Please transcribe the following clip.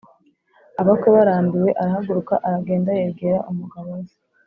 abakwe barambiwe arahaguruka aragenda yegera umugabo we